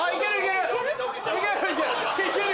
いける！